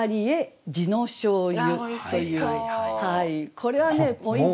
これはねポイント。